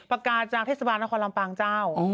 ปากกาจากเทศบาลนครลำปางเจ้า